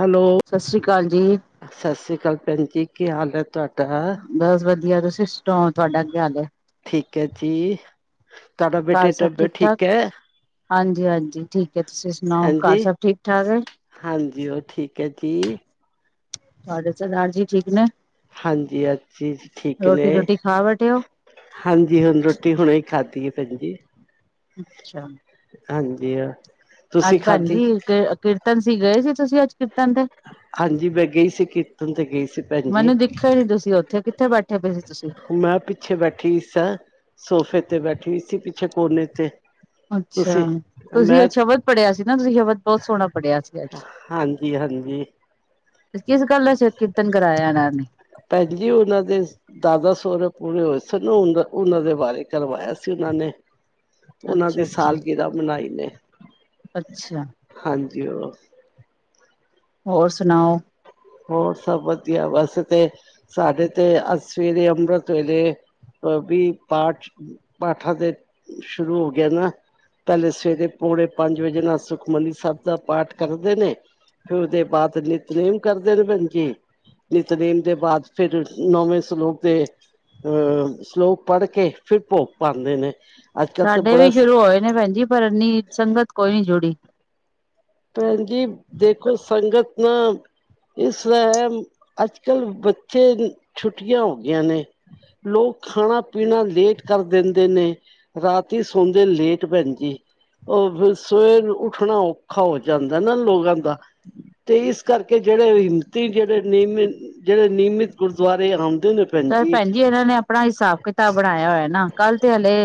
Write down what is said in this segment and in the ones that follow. Hello ਸਤਿ ਸ੍ਰੀ ਅਕਾਲ ਜੀ ਸਤਿ ਸ਼੍ਰੀ ਅਕਾਲ ਭੈਣ ਜੀ ਕੀ ਹਾਲ ਹੈ ਤੁਹਾਡਾ। ਬਸ ਵਧੀਆ ਤੁਸੀਂ। ਸ ਤੋਂ ਤੁਹਾਡਾ ਅ ਹਾਲ ਹੈ ਠੀਕ ਹੈ ਜੀ ਤੁਹਾਡਾ ਘਰ ਬੇਟੇ ਸਭ ਠੀਕ ਤਬੀਅਤ ਠਾਕ ਹੈ ਹਾਂਜੀ ਹਾਂਜੀ ਜੀ ਠੀਕ ਤੁਸੀਂ ਸੁਣਾਓ ਘਰ ਹਾਂਜੀ ਸਭ ਠੀਕ ਠਾਕ ਹੈ। ਕੀ ਸਾਡੇ ਸਰਦਾਰ ਜੀ ਠੀਕ ਨੇ ਹਾਂਜੀ ਹਾਂਜੀ ਠੀਕ ਨੇ ਰੋਟੀ ਰੋਟੀ ਖਾ ਬੈਠੇ ਹੋ ਹਾਂਜੀ ਹੁਣ ਰੋਟੀ ਹੁਣੇ ਹੀ ਖਾਧੀ ਹੈ। ਭੈਣ ਜੀ ਅੱਛਾ! ਹਾਂਜੀ। ਤੁਸੀਂ ਅੱਜ ਭੈਣ ਖਾਧੀ ਜੀ ਕੀਰਤਨ ਗਏ ਸੀ ਤੁਸੀਂ ਅੱਜ ਤੇ ਹਾਂਜੀ ਮੈਂ ਗਈ ਸੀ ਕੀਰਤਨ ਤੇ ਗਈ ਸੀ ਭੈਣ ਜੀ ਕਿੱਥੇੈ ਬੈਠ ਮੈਂ ਪਿੱਛੇ ਬੈਠੀ ਸਾਂ ਸੋਫੇ ਤੇ ਬੈਠੀ ਸੀ। ਅੱਛੇ ਕੋਨ ਤੇ ਅੱਛਾ ਤੁਸੀਂ ਤੁਸੀਂ ਮੈਂ ਅੱਜ ਸ਼ਬਦ ਪੜ੍ਹਿਆ ਸੀ ਨਾ ਤੁਸੀਂ ਸ਼ਬਦ ਬਹੁਤ ਸੋਹਣਾ ਪੜ੍ਹਿਆ ਸੀ ਅੱਜ ਹਾਂਜੀ ਹਾਂਜੀ ਕਿਸ ਗੱਲ ਦਾ ਸਿਰ ਕੀਰਤਨ ਕਰਾਇਆ ਇਹਨਾਂ ਨੇ ਭੈਣ ਜੀ ਉਹਨਾਂ ਦੇ ਦਾਦਾ ਸਹੁਰੇ ਪੂਰੇ ਹੋਏ ਸਨ ਉਹਨਾਂ ਦੇ ਬਾਰੇ ਕਰਵਾਇਆ ਸੀ ਉਹਨਾਂ ਨੇ ਉਹਨਾਂ ਅੱਛਾ ਦੀ ਅੱਛਾ ਸਾਲਗਰਾ ਮਨਾਈ ਨੇ ਅੱਛਾ! ਜ ਹੋਰ ਸੁਣਾਓ ਹੋਰ ਸਭ ਵਧੀਆ ਵੈਸੇ ਤੇ ਸਾਡੇ ਤੇ ਸਵੇਰੇ ਅੰਮ੍ਰਿਤ ਵੇਲੇ ਵੀ ਪਾਠ ਪਾਠਾਂ ਦੇ ਸ਼ੁਰੂ ਹੋ ਗਿਆ ਨਾ ਪਹਿਲੇ ਸਵੇਰੇ ਪੌਣੇ ਪੰਜ ਵਜੇ ਨਾਲ ਸੁਖਮਨੀ ਸਾਹਿਬ ਦਾ ਪਾਠ ਕਰਦੇ ਨੇ ਫਿਰ ਉਹਦੇ ਬਾਅਦ ਨਿਤਨੇਮ ਕਰਦੇ ਨੇ ਭੈਣ ਜੀ ਨਿਤਨੇਮ ਦੇ ਬਾਅਦ ਫਿਰ ਨੌਵੇਂ ਸਲੋਕ ਦੇ ਅਹ ਸਲੋਕ ਪੜ੍ਹ ਕੇ ਫਿਰ ਭੋਗ ਪਾਉਂਦੇ ਨੇ ਅੱਜ ਕੱਲ੍ਹ ਤਾਂ ਸਾਡੇ ਵੀ ਬੜਾ ਸ਼ੁਰੂ ਹੋਏ ਨੇ ਭੈਣਜੀ ਪਰ ਇੰਨੀ ਸੰਗਤ ਕੋਈ ਨੀ ਜੁੜੀ ਭੈਣ ਜੀ ਦੇਖੋ ਸੰਗਤ ਨਾ ਇਸਤਰਾ ਅੱਜ ਕਲ ਬੱਚੇ ਛੁੱਟੀਆਂ ਹੋ ਗਿਆਂ ਨੇ ਲੋਕ ਖਾਣਾ ਪੀਣਾ ਲੇਟ ਕਰ ਦਿੰਦੇ ਨੇ ਰਾਤੀ ਸੌਦੇ ਲੇਟ ਭੈਣ ਜੀ ਸਵੇਰ ਉਠਣਾ ਔਖਾ ਹੋ ਜਾਂਦਾ ਨਾ ਲੋਕਾਂ ਦਾ ਤੇ ਇਸ ਕਰਕੇ ਜਿਹੜੇ ਹਿੰਮਤੀ ਜਿਹੜੇ ਨਿਯਮਿਤ ਜਿਹੜੇ ਨਿਯਮਿਤ ਗੁਰਦੁਆਰੇ ਆ ਚ ਭੈਣ ਜੀ ਇਹਨਾਂ ਨੇ ਆਪਣਾ ਹਿਸਾਬ ਕਿਤਾਬ ਬਣਾਇਆ ਹੋਇਆ ਨਾ ਕੱਲ੍ਹ ਤੇ ਹਲੇ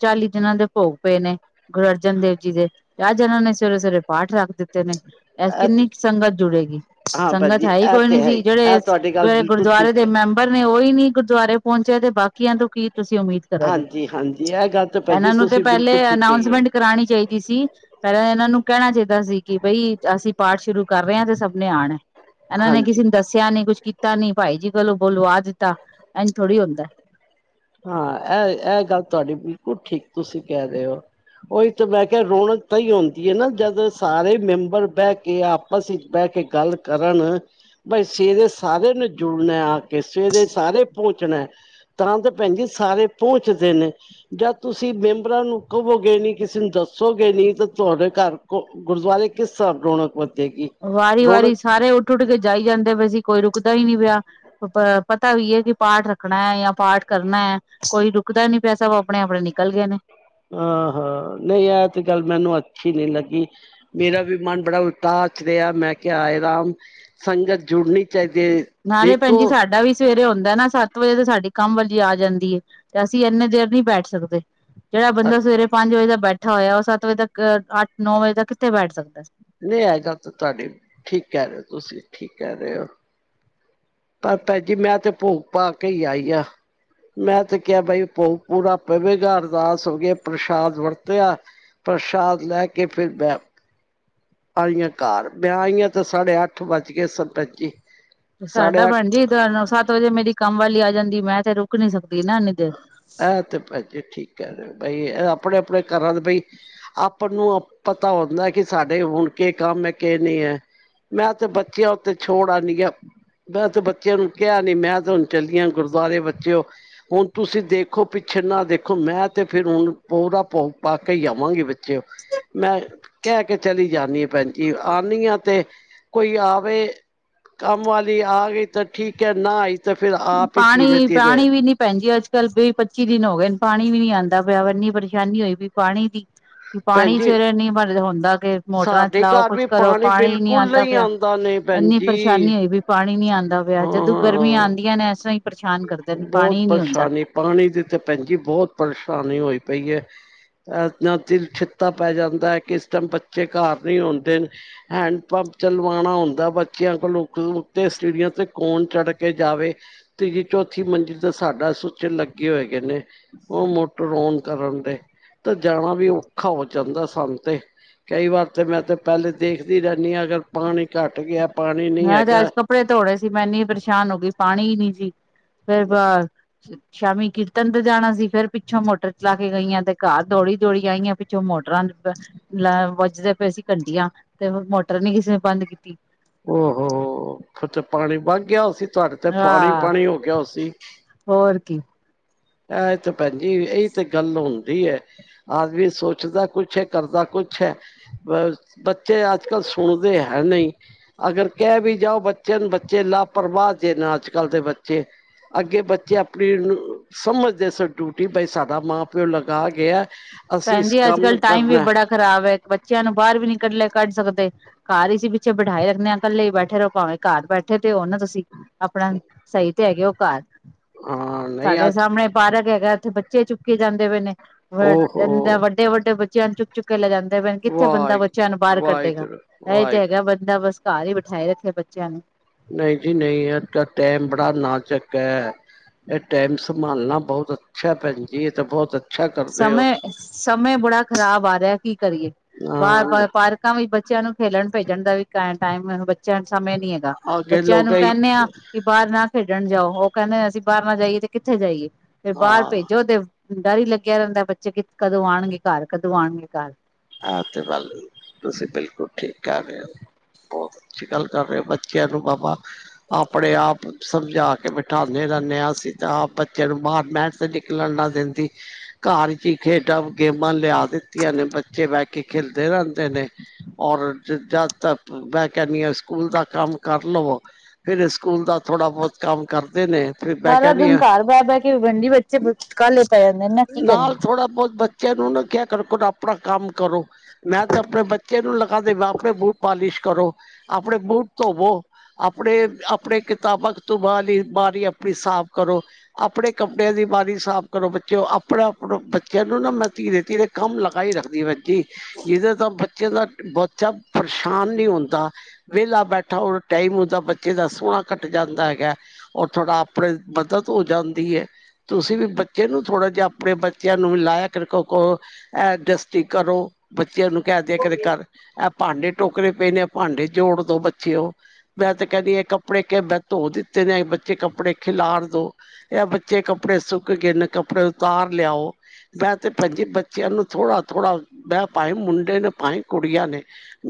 ਚਾਲੀ ਦਿਨਾਂ ਦੇ ਭੋ ਪਏ ਨੇ ਗੁਰੂ ਅਰਜਨ ਦੇਵ ਜੀ ਦੇ ਅੱਜ ਉਹਨਾ ਨੇ ਸਵੇਰੇ-ਸਵੇਰੇ ਪਾਠ ਰੱਖ ਦਿੱਤੇ ਨੇ ਇਹ ਤੇ ਕਿੰਨੀ ਸੰਗਤ ਜੁੜੇਗੀ ਹਾਂ ਭੈਣ ਸੰਗਤ ਜੀ ਹੈ, ਹੀ ਇਹ ਕੋਈ ਨੀ ਤੇ ਹੈ ਹੀ ਸੀ ਇਹ ਜਿਹੜੇ ਤੁਹਾਡੀ ਗੱਲ ਬਿਲਕੁਲ ਗੁਰਦੁਆਰੇ ਠੀਕ ਦੇ ਹੈ ਮੈਂਬਰ ਕੋਈ ਨੀ ਗੁਰਦੁਆਰੇ ਪਹੁੰਚਿਆ ਤੇ ਬਾਕੀਆਂ ਤੋਂ ਕੀ ਤੁਸੀਂ ਉਮੀਦ ਕਰੋਗੇ। ਹਾਂਜੀ ਹਾਂਜੀ ਇਹ ਗੱਲ ਤਾਂ ਭੈਣ ਜੀ ਇਹਨਾਂ ਨੂੰ ਤੇ ਤੁਸੀਂ ਪਹਿਲੇ ਬਿਲਕੁਲ ਠੀਕ ਕਹੀ ਹੈ ਅਨਾਊਂਸਮੈਂਟ ਕਰਾਣੀ ਚਾਹੀਦੀ। ਸੀ। ਪਹਿਲਾਂ ਇਹਨਾਂ ਨੂੰ ਕਹਿਣਾ ਚਾਹੀਦਾ ਸੀ। ਕਿ ਬਈ ਅਸੀਂ ਪਾਠ ਸ਼ੁਰੂ ਕਰ ਰਹੇ ਹਾਂ, ਤੇ ਸਭ ਨੇ ਆਣਾ। ਇਹਨਾਂ ਨੇ ਹਾਂਜੀ ਕਿਸੇ ਨੂੰ ਦੱਸਿਆ ਨੀ ਕੁੱਛ ਕੀਤਾ ਨੀ ਭਾਈ ਜੀ ਕਲੋ ਬੁਲਵਾ ਦਿੱਤਾ। ਇਝ ਥੋੜ੍ਹੀ ਹੁੰਦਾ। ਹਾਂ। ਇਹ-ਇਹ ਗੱਲ ਤੁਹਾਡੀ ਬਿਲਕੁਲ ਠੀਕ ਤੁਸੀਂ ਕਹਿ ਰਹੇ ਹੋ। ਉਹੀ ਤਾਂ ਮੈਂ ਕਿਹਾ- ਰੌਣਕ ਤਾਂ ਹੀ ਆਂਦੀ ਹੈ। ਨਾ ਜਦ ਸਾਰੇ ਮੈਂਬਰ ਬਹਿ ਕੇ ਆਪਸ ਵਿੱਚ ਬਹਿ ਕੇ ਗੱਲ ਕਰਨ ਬਾਈ ਸਵੇਰੇ ਸਾਰੇ ਨੂੰ ਜੁੜਨਾ ਆ ਕੇ ਸਵੇਰੇ ਸਾਰੇ ਪਹੁੰਚਣਾ ਤ ਭੈਣ ਜੀ ਸਾਰੇ ਪਹੁੰਚਦੇ ਨੇ, ਜਾਂ ਤੁਸੀਂ ਮੈਂਬਰਾਂ ਨੂੰ ਕਹਵੋਗੇ ਨੀ, ਕਿਸੇ ਨੂੰ ਦੱਸੋਗੇ ਨੀ, ਤਾਂ ਤੁਹਾਡੇ ਘਰ ਕੋ ਗੁਰਦੁਆਰੇ ਕਿਸ ਹਿਸਾਬ ਰੌਣਕ ਵਧੇਗੀ ਵਾਰੀ-ਵਾਰੀ ਰੌਣਕ ਸਾਰੇ ਉੱਠ-ਉੱਠ ਕੇ ਜਾਈ ਜਾਂਦੇ ਵੈਸੀ। ਕੋਈ ਰੁ ਰੁਕਦਾ ਹੀ ਨਹੀਂ ਪਿਆ। ਪਤਾ ਵੀ ਹੈ ਕਿ ਪਾਠ ਰੱਖਣਾ ਹੈ ਜਾਂ ਪਾਠ ਕਰਨਾ ਹੈ। ਕੋਈ ਰੁਕਦਾ ਨੀ ਪਿਆ, ਸਭ ਆਪਣੇ-ਆਪਣੇ ਨਿਕਲ ਗਏ ਨੇ। ਆਹ! ਹਾਂ, ਨਹੀਂ ਇਹ ਤੇ ਗੱਲ ਮੈਨੂੰ ਅੱਛੀ ਨੀ ਲੱਗੀ। ਮੇਰਾ ਵੀ ਮਨ ਬੜਾ ਉਦਾਸ ਰਿਹਾ। ਮੈਂ ਕਿਹਾ -ਆਏ ਰਾਮ ਸੰਗਤ ਜੁੜਨੀ ਚਾਹੀਦੀ ਹੈ ਨਾਲੇ ਭੈਣ ਦੇਖੋ ਜੀ ਸਾਡਾ ਵੀ ਸਵੇਰੇ ਹੂੰਨ ਨਾ ਸੱਤ ਵਜੇ ਤੇ ਸਾਡੀ ਕੰਮ ਵਾਲੀ ਆ ਜਾਂਦੀ ਏ, ਤੇ ਅਸੀਂ ਇੰਨੇ ਦੇਰ ਨੀ ਬੈਠ ਸਕਦੇ। ਜਿਹੜਾ ਬੰਦਾ ਸਵੇਰੇ ਪੰਜ ਵਜੇ ਦਾ ਬੈਠਾ ਹੋਇਆ। ਉਹ ਸੱਤ ਵਜੇ ਤੱਕ ਅੱਠ -ਨੌ ਵਜੇ ਤੱਕ ਕਿੱਥੇ ਬੈਠ ਸਕਦਾ ਸੀ। ਨਹੀਂ ਅ ਗੱਲ ਤਾਂ ਤੁਹਾਡੀ ਠੀਕ ਕਹਿ ਰਹੇ ਹੋ, ਤੁਸੀਂ ਠੀਕ ਕਹਿ ਰਹੇ ਹੋ। ਪਰ ਭੈਣਜੀ ਮੈਂ ਤੇ ਭੋਗ ਪਾ ਕੇ ਹੀ ਆਈ ਆ। ਮੈਂ ਤੇ ਕਿਹਾ -ਬਾਈ ਭੋਗ ਪੂਰਾ ਪਵੇਗਾ, ਅਰਦਾਸ ਹੋ ਗਿਆ। ਪ੍ਰਸ਼ਾਦ ਵਰਤਿਆ ਪ੍ਰਸ਼ਾਦ ਲੈ ਕੇ ਫਿਰ ਬੈਂ ਆਈਆਂ। ਘਰ ਵੀ ਆਈਆਂ ਤੇ ਸਾਡੇ ਅੱਠ ਵੱਜ ਗਏ ਸਨ ਭੈਣਜੀ ਸਾਡਾ ਭੈਣਜੀ ਸੱਤ ਵਜੇ ਮੇਰੀ ਕੰਮ ਵਾਲੀ ਆ ਜਾਂਦੀ। ਮੈਂ ਤੇ ਰੁਕ ਨੀ ਸਕਦੀ ਨਾ ਇੰਨੀ ਦੇਰ ਆਹ ਤੇ ਭੈਣਜੀ ਠੀਕ ਐ। ਕ ਬਈ, ਆਪਣੇ-ਆਪਣੇ ਘਰਾਂ ਦੇ ਬਈ, ਆਪਾਂ ਨੂੰ ਪਤਾ ਹੁੰਦਾ। ਕਿ ਸਾਡੇ ਹੁਣ ਕੇ ਕੰਮ ਹੈ ਕਿ ਨਹੀਂ ਹੈ। ਮੈਂ ਤੇ ਬੱਚਿਆਂ ਉੱਤੇ ਛੋੜ ਆਨੀ ਆ। ਮੈਂ ਤੇ ਬੱਚਿਆਂ ਨੂੰ ਕਿਹਾ ਨੀ ਮੈਂ ਤੇ ਹੁਣ ਚੱਲੀਆਂ। ਗੁਰਦੁਆਰੇ ਬੱਚੇਉ, ਹੁਣ ਤੁਸੀਂ ਦੇਖ ਦੇਖੋ ਪਿੱਛੇ ਨਾ ਦੇਖੋ, ਮੈਂ ਤੇ ਫੇਰ ਹੁਣ ਪੁਰਾ ਭੋਗ ਪਾ ਕੇ ਹੀ ਆਵਾਂਗੀ ਬੱਚੇ, ਮੈਂ ਕਹਿ ਕੇ ਚਲੀ ਜਾਨੀ ਭੈਣਜੀ ਆਂਦੀਆਂ ਤੇ ਕੋਈ ਆਵੇ, ਕੰਮ ਵਾਲੀ ਆ ਗਈ। ਤਾਂ ਠੀਕ ਹੈ, ਨਾ ਆਈ ਤਾਂ ਫਿਰ ਆਪ ਹੀ ਧੀਰੇ ਧੀਰੇ ਪਾਣੀ-ਪਾਣੀ ਵੀ ਨੀ ਭੈਣਜੀ ਅੱਜ ਕੱਲ ਵੀਹ- ਪੱਚੀ ਦਿਨ ਹੋ ਗਏ। ਪਾਣੀ ਵੀ ਨੀ ਆਂਉਦਾ ਪਿਆ। ਇਨੀ ਪਰੇਸ਼ਾਨੀ ਹੋਈ ਪਈ ਐ ਪਾਣੀ ਦੀ ਭੈਣ ਪਾਣੀ ਜੀ ਸਵੇਰੇ ਇਨੀ ਬਰ ਹੁੰਦਾ। ਕਿ ਮੋਟਰਾਂ ਸਾਡੇ ਚਲਾਓ ਘਰ ਕੁਛ ਵੀ ਕਰੋ ਪਾਣੀ ਨੀ ਬਿਲਕੁਲ ਆਂਉਦਾ ਨਹੀਂ ਪਿਆ। ਆਉਂਦਾ ਨੇ ਭੈਣ ਇੰਨੀ ਜੀ ਪਰੇਸ਼ਾਨੀ ਹੋਈ ਵੀ ਪਾਣੀ ਨੀ ਆਂਉਦਾ। ਹਾਂ ਜਦੋਂ ਗਰਮੀ ਹਾਂ ਆਂਉਦੀ [unintelligible] ਬਹੁਤ ਪਰੇਸ਼ਾਨੀ ਪਾਣੀ ਦੀ ਤੇ ਭੈਣਜੀ ਬਹੁਤ ਪਰੇਸ਼ਾਨੀ ਹੋਈ। ਪਈ ਹੈ। ਤੇ ਛਿੱਤਾ ਪੈ ਜਾਂਦਾ ਹੈ। ਕਿਸ ਟਾਈਮ ਬੱਚੇ ਘਰ ਨੀ ਆਂਉਦੇ ਹੈਂਡ ਪੰਪ ਚਲਵਾਣਾ ਹੁੰਦਾ। ਬੱਚਿਆਂ ਕੋਲ ਉਤੇ ਸਿੜੀਆਂ ਤੇ ਕੋਣ ਚੜ ਕੇ ਜਾਵੇ ਤੇ ਜ ਚੌਥੀ ਮੰਜਿਲ ਦੇ ਸਾਡਾ ਸੁੱਚ ਲੱਗੇ ਹੋਏ ਗਏ ਨੇ, ਉਹ ਮੋਟਰ ਔਨ ਕਰਨ ਦੇ ਤਾਂ ਜਾਣਾ ਵੀ ਔਖਾ ਹੋ ਜਾਂਦਾ। ਸਾਨੂੰ ਤੇ ਕਈ ਵਾਰ ਤੇ ਮੈਂ ਤੇ ਪਹਿਲੇ ਦੇਖਦੀ ਰਹਿੰਨੀ ਹਾਂ, ਅਗਰ ਪਾਣੀ ਘੱਟ ਗਿਆ। ਪਾਣੀ ਨਹੀਂ ਮੈਂ ਤੇ ਹੈਗਾ ਅੱਜ ਕੱਪੜੇ ਧੋਣੇੇ ਸੀ, ਮੈਂ ਇੰਨੀ ਪਰੇਸ਼ਾਨ ਹੋ ਗਈ। ਪਾਣੀ ਨੀ ਸੀ। ਫੇਰ ਸ਼ਾਮੀ ਕੀਰਤਨ ਤੇ ਜਾਣਾ ਸੀ। ਫੇਰ ਪਿੱਛੋਂ ਮੋਟਰ ਚਲਾ ਕੇ ਗਈ ਆਂ ਤੇ ਘਰ ਦੌੜੀ -ਦੌੜੀ ਆਈ ਆਂ ਪਿੱਛੋਂ ਮੋਟਰ [unintelligible] ਵੱਜਦੀ ਪਈ ਸੀ ਘੰਟੀਆਂ, ਜਦੋ ਮੋਟਰ ਨੀ ਕਿਸੇ ਨੇ ਬੰਦ ਕੀਤੀ। ਓ ਹੋ ਫਿਰ ਤੇ ਪਾਣੀ ਵਗ ਗਿਆ ਫਿਰ ਤੁਹਾਡੇ ਤੇ ਪਾਣੀ ਆਹ ਪਾਣੀ ਹੋ ਗਿਆ ਹੋਣਾ ਸੀ। ਹੋਰ ਕੀ। ਇਹ ਤੇ ਭੈਣਜੀ ਇਹੀ ਤੇ ਗੱਲ ਹੁੰਦੀ ਏ, ਆਦਮੀ ਸੋਚਦਾ ਕੁਛ ਹੈ, ਕਰਦਾ ਕੁਛ ਹੈ, ਬੱਚੇ ਅੱਜ ਕੱਲ ਸੁਣਦੇ ਹੈ ਨਹੀਂ, ਅਗਰ ਕਹਿ ਵੀ ਜਾਉ ਬੱਚੇ ਨੂੰ ਬੱਚੇ ਲਾਪਰਵਾਹ ਦੇ ਨੇ ਅੱਜ ਕੱਲ ਦੇ ਬੱਚੇ, ਅੱਗੇ ਬੱਚੇ ਆਪਣੀ ਸਮਝਦੇ ਸੀ ਡਿਊਟੀ, ਬਾਈ ਸਾਡਾ ਮਾਂ ਪਿਉ ਲਗਾ ਗਿਆ ਅਸੀਂ ਭੈਣ ਇਸ ਜੀ, ਅੱਜ ਕੰਮ ਕੱਲ੍ਹ ਨੂੰ ਟਾਈਮ ਵੀ ਕਰਨਾ ਬੜਾ ਖ਼ਰਾਬ ਹੈ, ਬੱਚਿਆਂ ਨੂੰ ਬਾਹਰ ਵੀ ਨਹੀਂ ਇਕੱਲੇ ਕੱਢ ਸਕਦੇ, ਘਰ ਵਿੱਚ ਹੀ ਬਿਠਾਏ ਰੱਖਦੇ ਹਾਂ, ਇਕੱਲੇ ਹੀ ਬੈਠੇ ਰਹੋ ਭਾਵੇਂ ਘਰ ਬੈਠੇ ਤੇ ਹੋ ਨਾ ਤੁਸੀਂ, ਆਪਣਾ ਸਹੀ ਤੇ ਹੈਗੇ ਹੋ ਘਰ। ਹਾਂ ਨਹੀਂ ਸਾਡੇ ਅੱਜ ਸਾਹਮਣੇ ਪਾਰਕ ਹੈਗਾ। ਬੱਚੇ ਚੁੱਕੇ ਜਾਂਦੇ ਪਏ ਨੇ। [unintelligible] ਹੋਰ ਓਹੋ ਵੱਡੇ ਵੱਡੇ ਬੱਚੇ ਬੱਚਿਆ ਨੂੰ ਚੁੱਕ ਚੁੱਕ ਲੈ ਜਾਂਦੇ ਕਿੱਥੇ ਬੰਦਾ ਬੱਚਿਆਂ ਨੂੰ ਬਾਹਰ ਵਾਹਿਗੁਰੂ ਕੱਢੇਗਾ, ਵਾਹਿਗੁਰੂ ਇਹ ਤੇ ਵਾਹਿਗੁਰੂ ਹੈਗਾ ਬੰਦਾ ਬਸ ਘਰ ਹੀ ਬਿਠਾਏ ਰੱਖੇ ਬੱਚਿਆਂ ਨੂੰ ਨਹੀਂ ਜੀ ਨਹੀਂ, ਅੱਜ ਕੱਲ ਟੈਮ ਬੜਾ ਨਾਚੱਕ ਐ, ਇਹ ਟੈਮ ਸੰਭਾਲਣਾ ਬਹੁਤ ਅੱਛਾ ਭੈਣ ਜੀ, ਇਹ ਤਾਂ ਬਹੁਤ ਅੱਛਾ ਕਰਦੇ ਹੋ। ਸਮੇਂ ਸਮੇਂ ਬੜਾ ਖ਼ਰਾਬ ਆ ਰਿਹਾ, ਕੀ ਕਰੀਏ, ਹਾਂ ਬਾਹਰ ਪਾਰਕਾਂ ਵਿੱਚ ਬੱਚਿਆਂ ਨੂੰ ਖੇਲਣ ਭੇਜਣ ਦਾ ਵੀ ਟਾਈਮ ਬੱਚਿਆਂ ਸਮੇਂ ਨੀ ਹੈਗਾ, ਅੱਗੇ ਬੱਚਿਆਂ ਲੋਕ ਨੂੰ ਹੀ ਕਹਿੰਦੇ ਆ, ਕਿ ਬਾਹਰ ਨਾ ਖੇਡਣ ਨਾ ਜਾਉ, ਉਹ ਕਹਿੰਦੇ, ਅਸੀਂ ਬਾਹਰ ਨਾ ਜਾਈਏ ਤੇ ਕਿੱਥੇ ਜਾਈਏ। ਫਿਰ ਬਾਹਰ ਭੇਜੋ ਹਾਂ ਤੇ ਡਰ ਲੱਗਾ ਰਹਿੰਦਾ, ਬੱਚੇ ਕਿ ਕਦੋਂ ਆਉਣਗੇ, ਘਰ ਕਦੋਂ ਆਉਣਗੇ ਘਰ। ਆਹ ਤੇ ਗੱਲ, ਤੁਸੀਂ ਬਿਲਕੁਲ ਠੀਕ ਕਹਿ ਰਹੇ ਹੋ। ਬਹੁਤ ਅੱਛੀ ਗੱਲ ਕਰ ਰਹੇ, ਬੱਚਿਆਂ ਨੂੰ ਬਾਬਾ ਆਪਣੇ ਆਪ ਸਮਝਾ ਕੇ ਬਿਠਾਉਂਦੇ ਰਹਿੰਦੇ ਹਾਂ, ਅਸੀਂ ਤਾਂ ਆਪ ਬੱਚਿਆਂ ਨੂੰ ਬਾਹਰ ਮਹਿਣ ਤੇ ਨਿਕਲਣ ਨਾ ਦਿੰਦੀ, ਘਰ ਚ ਹੀ ਖੇਡਾਂ ਗੇਮਾਂ ਲਿਆ ਦਿੱਤੀਆਂ ਨੇ ਬੱਚੇ ਬਹਿ ਕੇ ਖੇਲਦੇ ਰਹਿੰਦੇ ਨੇ, ਔਰ ਜਦ ਤੱਕ ਮੈਂ ਕਹਿਣੀ ਆ, ਸਕੂਲ ਦਾ ਕੰਮ ਕਰ ਲਵੋ, ਫੇਰ ਸਕੂਲ ਦਾ ਥੋੜਾ ਬਹੁਤ ਕੰਮ ਕਰਦੇ ਨੇ, ਫਿਰ ਮੈਂ ਸਾਰਾ ਕਹਿਦੀ ਦਿਨ ਆ, ਘਰ ਬਹਿ ਬਹਿ ਕੇ ਭੈਣ ਜੀ ਬੱਚੇ ਕਾਹਲੇ ਪੈ ਜਾਂਦੇ ਨਾ ਕੀ ਨਾਲ ਕਰੀਏ। ਥੋੜਾ ਬਹੁਤ ਬੱਚਿਆਂ ਨੂੰ ਨਾ ਕਹਿਆ ਕਰੋ ਆਪਣਾ ਕੰਮ ਕਰੋ ਮੈਂ ਤੇ ਆਪਣੇ ਬੱਚੇ ਨੂੰ ਲਗਾ ਦਿਨੀ, ਆਪਣੇ ਬੂਟ ਪਾਲਿਸ਼ ਕਰੋ, ਆਪਣੇ ਬੂਟ ਧੋਵੋ, ਆਪਣੇ ਆਪਣੇ ਕਿਤਾਬਾਂ ਕਤੂਬਾ ਵਾਲੀ ਅਲਮਾਰੀ ਆਪਣੀ ਸਾਫ਼ ਕਰੋ, ਆਪਣੇ ਕੱਪੜਿਆਂ ਦੀ ਅਲਮਾਰੀ ਸਾਫ਼ ਕਰੋ ਬੱਚਿਓ ਆਪਣੇ ਆਪਣਾ ਬੱਚਿਆਂ ਨੂੰ ਨਾ ਮੈਂ ਧੀਰੇ ਧੀਰੇ ਕੰਮ ਲਗਾ ਹੀ ਰੱਖ ਜੀ ਜਿਹਦੇ ਤਾਂ ਬੱਚਿਆਂ ਦਾ ਬੱਚਾ ਪਰੇਸ਼ਾਨ ਨੀ ਹੁੰਦਾ, ਵਿਹਲਾ ਬੈਠਾ ਔਰ ਟਾਈਮ ਹੁੰਦਾ ਬੱਚੇ ਦਾ ਸੋਹਣਾ ਕਟ ਜਾਂਦਾ ਹੈਗਾ, ਔਰ ਥੋੜਾ ਆਪਣੇ ਮਦਦ ਹੋ ਜਾਂਦੀ ਆ, ਤੁਸੀਂ ਵੀ ਬੱਚੇ ਨੂੰ ਥੋੜਾ ਜਿਹਾ ਆਪਣੇ ਬੱਚਿਆਂ ਨੂੰ ਵੀ ਲਾਇਆ ਕਰੋ ਕਰੋ ਬੱਚਿਆਂ ਨੂੰ ਕਹਿਦੇ ਕਦੇ ਕਰ ਇਹ ਭਾਂਡੇ ਟੋਕਰੇ ਪਏ ਨੇ ਭਾਂਡੇ ਜੋੜ ਦੋ ਬੱਚਿਓ ਮੈਂ ਤੇ ਕਹਿੰਦੀ ਇਹ ਕੱਪੜੇ ਕੇ ਧੋ ਦਿੱਤੇ ਨੇ ਇਹ ਬੱਚੇ ਕੱਪੜੇ ਖਿਲਾਰ ਦੋ ਇਹ ਬੱਚੇ ਕੱਪੜੇ ਸੁੱਕ ਗਏ ਨੇ ਕੱਪੜੇ ਉਤਾਰ ਲਿਆਓ ਮੈਂ ਤੇ ਭੈਜੀ ਬੱਚਿਆਂ ਨੂੰ ਥੋੜਾ ਥੋੜਾ ਮੈਂ ਭਏ ਮੁੰਡੇ ਨੇ ਭਏ ਕੁੜੀਆਂ ਨੇ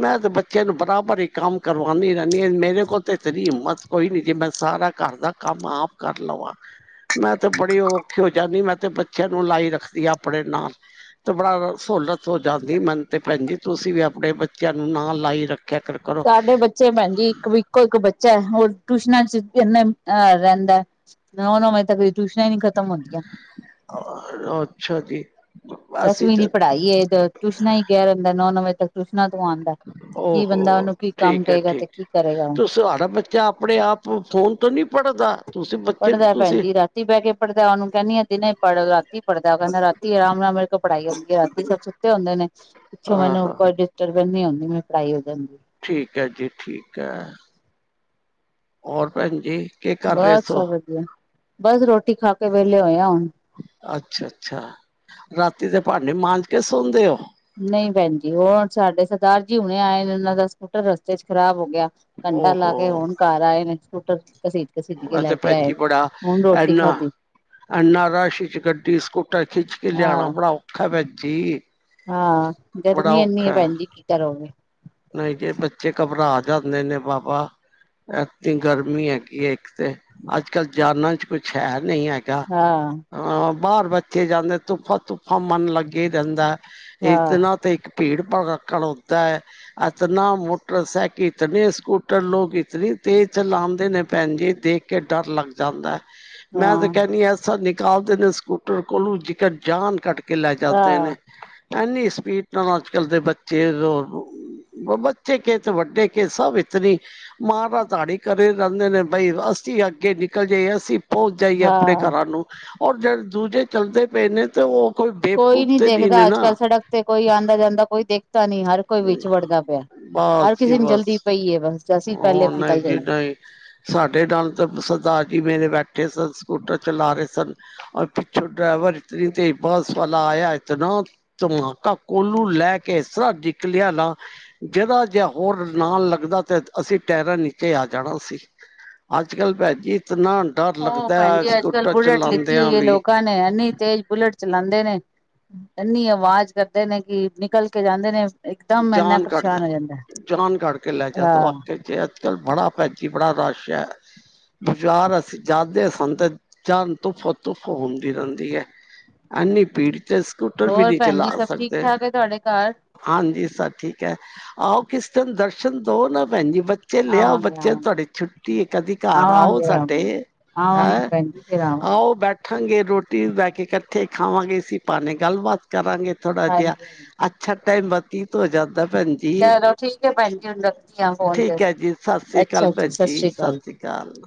ਮੈਂ ਤੇ ਬੱਚਿਆਂ ਨੂੰ ਬਰਾਬਰ ਹੀ ਕੰਮ ਕਰਵਾਉਂਦੀ ਰਹਿੰਦੀ ਹ ਮੇਰੇ ਕੋਲ ਤੇ ਇਤਰੀ ਹਿੰਮਤ ਕੋਈ ਨੀ ਜੀ ਮੈਂ ਸਾਰਾ ਘਰ ਦਾ ਕੰਮ ਆਪ ਕਰ ਲਵਾਂ ਮੈਂ ਤੇ ਬੜੀ ਔਖੀ ਹੋ ਜਾਂਦੀ ਮੈਂ ਤੇ ਬੱਚਿਆਂ ਨੂੰ ਲਾਈ ਰੱਖਦੀ ਆ ਆਪਣੇ ਨਾਲ ਤੇ ਬੜਾ ਸਹੂਲਤ ਹੋ ਜਾਂਦੀ ਮੈਨ ਤਾਂ ਭੈਣ ਜੀ ਤੁਸੀਂ ਵੀ ਆਪਣੇ ਬੱਚਿਆਂ ਨੂੰ ਨਾ ਲਾਈ ਰੱਖ ਸਾਡੇ ਬੱਚੇ ਭੈਣ ਜੀ ਇੱਕ ਇੱਕੋ ਇੱਕ ਬੱਚਾ ਹੈ ਹੋਰ ਟਿਊਸ਼ਨ ਰਿਹਂਦਾ ਮੈਂ ਉਹਨ ਤੱਕ ਟਿਊਸ਼ਨਾਂ ਹੀ ਨੀ ਖਤਮ ਹੁੰਦੀਆਂ ਅੱਛਾ ਜੀ ਅਸੀਂ ਦਸਵੀਂ ਦੀ ਤੇ ਪੜ੍ਹਾਈ ਟਿਊਸ਼ਨਾਂ ਹੀ ਗੈਰ ਨੋਂ ਨੋਂ ਵਜੇ ਤੱਕ ਆਉਂਦਾ ਕੀ ਬੰਦਾ ਓਹੋ ਉਹਨੂੰ ਕੀ ਕੰਮ ਠੀਕ ਹੈ ਕਰੇਗਾ ਤੇ ਠੀਕ ਕੀ ਹੈ। ਕਰੇਗਾ ਉਹ ਤੁਸੀਂ ਤੁਹਾਡਾ ਬੱਚਾ ਆਪਣੇ ਆਪ ਫੋਨ ਤੋਂ ਨਹੀਂ ਪੜ੍ਹਦਾ ਤੁਸੀਂ ਬੱਚੇ ਨੂੰ ਪੜ੍ਹਦਾ ਭੈਣ ਤੁਸੀਂ ਜੀ ਰਾਤੀ ਬਹਿ ਕੇ ਪੜ੍ਹਦਾ ਉਹਨੂੰ ਕਹਿੰਦੀ ਆ ਦਿਨੇ ਪੜ੍ਹ ਰਾਤੀ ਪੜ੍ਹਦਾ ਕਹਿੰਦਾ ਰਾਤੀ ਆਰਾਮ ਨਾਲ ਮਿਲ ਪੜ੍ਹਾਈ ਹੋ ਰਾਤੀ ਸ ਸੁੱਤੇ ਹੁੰਦੇ ਨੇ ਪਿੱਛੋਂ ਆਹ ਮੈਨੂੰ ਕੋਈ ਡਿਸਟਰਬੈਂਸ ਨਹੀਂ ਆਉਂਦੀ ਮ ਪੜਾਈ [unintelligible] ਹਾਂਜੀ ਠੀਕ ਹੈ ਜੀ ਠੀਕ ਹੈ ਹੋਰ ਭੈਣ ਜੀ ਕੀ ਕਰ ਰਹੇ ਬੱਸ ਸੋ ਸਭ ਵਧੀਆ ਬਸ ਰੋਟੀ ਖਾ ਕੇ ਵਿਹਲੇ ਹੋਏਆ ਹੁਣ ਅੱਛਾ ਅੱਛਾ ਰਾਤੀ ਦੇ ਭਾਂਡੇ ਮਾਂਜ ਕੇ ਸੌਦੇ ਹੋ ਨਹੀਂ ਭੈਣਜੀ ਹੁਣ ਸਾਡੇ ਸਰਦਾਰ ਜੀ ਹੁਣੇ ਆਏ ਨੇ ਉਹਨਾਂ ਦਾ ਸਕੂਟਰ ਰਸਤੇ ਚ ਖ਼ਰਾਬ ਹੋ ਗਿਆ ਘਟਾ ਲਾ ਕੇ ਓਹੋ ਹੁਣ ਘਰ ਆਏ ਨੇ ਸਕੂਟਰ ਸੀ ਆ ਤੇ ਭੈਣਜੀ ਬੜਾ ਇਨਾ ਖਾਧੀ ਐਨਾ ਰਸ਼ ਚ ਗੱਡੀ ਸਕੂਟਰ ਖਿੱਚ ਕੇ ਲਿਆਣਾ ਆਹ ਬੜਾ ਔਖਾ ਹੈ ਜੀ ਹਾਂ ਗਰਮੀ ਇੰਨੀ ਹੈ ਭੈਣ ਜੀ ਕੀ ਕਰੋਗੇ ਨਹੀਂ ਜੇ ਬੱਚੇ ਘਬਰਾ ਜਾਂਦੇ ਨੇ ਬਾਬਾ ਇਨੀ ਗਰਮੀ ਹੈਗੀ ਹੈ ਇੱਕ ਤੇ ਅੱਜ ਕੱਲ ਜਾਨਾਂ ਚ ਕੁਛ ਹੈ ਨਹੀਂ ਹੈਗਾ ਹਾਂ ਹ ਬਾਹਰ ਬੱਚੇ ਜਾਂਦੇ ਧੁੱਫਾ ਧੁੱਫਾ ਮਨ ਲੱਗੇ ਹੀ ਰਹਿੰਦਾ ਹਾਂ ਇਤਨਾਂ ਤੇ ਇੱਕ ਭੀੜ ਖਲੋਤਾ ਹੈ ਇਤਨਾ ਮੋਟਰਸਾਈਕਲ ਇਤਨੇ ਸਕੂਟਰ ਲੋਕ ਇਤਨੀ ਤੇਜ਼ ਚਲਾਉਂਦੇ ਨੇ ਭੈਣ ਜੀ ਦੇਖ ਕੇ ਡਰ ਲੱਗ ਜਾਂਦਾ ਮੈਂ ਤੇ ਹਾਂ ਕਹਿਂਦੀ ਐਸਾ ਨਿਕਾਲ ਨੇ ਸਕੂਟਰ ਕੋਲੋਂ ਜੇਕਰ ਜਾਨ ਕੱਟ ਕੇ ਕਿਲਾ ਚੱਲਦੇ ਹਾਂ ਨੇ ਐਨੀ ਸਪੀਡ ਨਾਲ ਅੱਜ ਕੱਲ ਦੇ ਬੱਚੇ ਬੱਚੇ ਕੇ ਅਤੇ ਵੱਡੇ ਕੇ ਸਭ ਇਤਨੀ ਮਾਰਾਧੜੀ ਕਰ ਰਹਿੰਦੇ ਨੇ ਬਈ ਅਸੀਂ ਅੱਗੇ ਨਿਕਲ ਜਏ ਅਸੀਂ ਉਹ ਜਾਈਏ ਆਪਣੇ ਹਾਂ ਘਰਾਂ ਨੂੰ। ਔਰ ਜਦ ਦੂਜੇ ਚਲਦੇ ਪਏ ਨੇ ਤੇ ਉਹ ਕੋਈ ਬੇਵਕੂਫ ਨੀ ਤੇ ਨਹੀਂ ਨੇ ਦੇਖਦਾ ਅੱਜ ਨਾ। ਕੱਲ੍ਹ ਸੜਕ ਤੇ ਕੋਈ ਆਂਦਾ-ਜਾਂਦਾ ਕੋਈ ਦੇਖਦਾ ਨੀ ਹਰ ਕੋਈ ਵਿੱਚ ਵੜਦਾ ਪਿਆ ਹਰ ਬਸ ਜੀ ਕਿਸੇ ਨੂੰ ਬਸ, ਜਲਦੀ ਪਈ ਹੈ ਬਸ ਅਸੀਂ ਪਹਿਲੇ ਹੁਣ ਨਹੀਂ ਨਿਕਲ ਜੀ ਜਾਈਏ ਨਹੀਂ ਸਾਡੇ ਨਾਲ ਤਾਂ ਸਰਦਾਰ ਜੀ ਮੇਰੇ ਬੈਠੇ ਸ ਸਕੂਟਰ ਚਲਾ ਰਹੇ ਸ ਰ ਪਿੱਛੋਂ ਡਰਾਈਵਰ ਇਤਨੀ ਤੇਜ਼ ਬੱਸ ਵਾਲਾ ਆਇਆ ਇਤਨਾ ਧਮਾਕਾ ਕੋਲੂ ਲੈ ਕੇ ਇਸ ਤਰ ਨਿਕਲਿਆ ਨਾ ਜਿਹਦਾ ਜੇ ਹੋਰ ਨਾਲ ਲੱਗਦਾ ਤੇ ਅਸੀਂ ਟੈਰਾਂ ਨੀਚੇ ਆ ਜਾਣਾ ਸੀ। ਅੱਜ ਕੱਲ ਭੈ ਜੀ ਇਤਨਾ ਡਰ ਉਹ ਭੈਣ ਲੱਗਦਾ ਜੀ ਅੱਜ ਕੱਲ ਸਕੂਟਰ ਬੁਲੇਟ ਲਿੱਤੀ ਚਲਾਉਂਦਿਆਂ ਹੋਈ ਹੈ ਵੀ ਲੋਕਾਂ ਨੇ ਐੰਨੀ ਤੇਜ਼ ਬੁਲੇਟ ਚਲਾਉਂਦੇ ਨੇ ਇੰਨੀ ਆਵਾਜ਼ ਕਰਦੇ ਨੇ ਕਿ ਨਿਕਲ ਕੇ ਜਾਂਦੇ ਨੇ ਇਕਦਮ ਇੰਨਾ ਜਾਨ ਕੱਢਦਾ ਪਰੇਸ਼ਾਨ ਹੋ ਜਾਂਦਾ ਜਾਨ ਕੱਢ ਕੇ ਲੈ ਜਾਦ ਹਾਂ ਵਾਕਿਆ ਜੇ। ਚੱਲ ਬੜਾ ਭੈਜੀ ਬੜਾ ਰਸ਼ ਹੈ। ਬਜ਼ਾਰ ਅਸੀਂ ਜਾਦੇ ਸੰਦੇ ਜਾਨ ਤੁੁੱਫ ਤੁੁੱਫ ਹੁੰਦੀ ਰਹਿੰਦੀ ਹੈ ਐਨੀ ਪੀੜ ਹੋਰ ਭੈਣ ਜੀ ਸਭ ਠੀਕ-ਠਾਕ ਏ ਤੁਹਾਡੇ ਕਾਰ? ਇਹ ਸਬ ਠੀਕ ਹੈ, ਆਓ ਕਿਸ ਦਿਨ ਦਰਸ਼ਨ ਦੋ ਨਾ ਭੈਣ ਜੀ। ਬੱਚੇ ਲਿਆਓ ਆਵਾਂਗੇ ਬੱਚੇ ਆਵਾਂਗੇ ਤੁਹਾਡੀੇ ਛੁੱਟੀ ਕਦੀ ਕਾਰ ਆਓ ਆਵਾਂਗੇ ਸਾਡੇ। ਆਵਾਂਗੇ ਆਵਾਂਗੇ ਹੈ, ਭੈਣ ਜੀ ਫਿਰ ਆਵਾਂਗੇ ਆਓ ਬੈਠਾਂਗੇ ਰੋਟੀ ਬੈ ਇਕੱਠੇ ਖਾਵਾਂਗੇ ਇਸੀ ਬਹਾਣੇ ਗੱਲਬਾਤ ਕਰਾਂਗੇ। ਥੋੜਾ ਜੀਆ ਹਾਂਜੀ ਹਾਂਜੀ ਅੱਛਾ ਟਾਈਮ ਬਤੀਤ ਹੋ ਜਾਂਦਾ ਭੈਣ ਜੀ। ਚਲੋ ਠੀਕ ਹੈ ਭੈਣ ਜੀ। ਹੁਣ ਰੱਖਦੀ ਹ ਫੋਨ ਫੇਰ। ਠੀਕ ਹੈ ਜੀ, ਸਤਿ ਸ੍ਰੀ ਅਕਾਲ ਅੱਛਾ ਜੀ ਭੈਣ ਸਤਿ ਸ੍ਰੀ ਅਕਾਲ। ਅਕਾਲ।